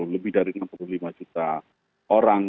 lebih dari enam puluh lima juta orang